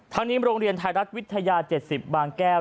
นี้โรงเรียนไทยรัฐวิทยา๗๐บางแก้ว